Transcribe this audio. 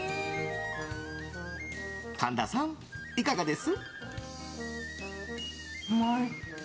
神田さん、いかがです？